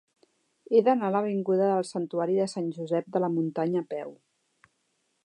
He d'anar a l'avinguda del Santuari de Sant Josep de la Muntanya a peu.